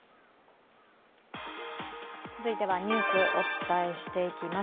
続いてはニュースお伝えしていきます。